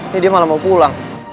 ini dia malah mau pulang